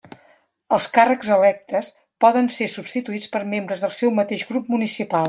Els càrrecs electes poden ser substituïts per membres del seu mateix grup municipal.